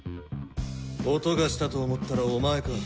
音がしたと思ったらお前か。